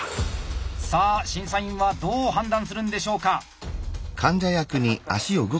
さあ審査員はどう判断するんでしょうか。